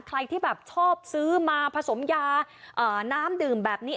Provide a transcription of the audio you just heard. ใครที่แบบชอบซื้อมาผสมยาน้ำดื่มแบบนี้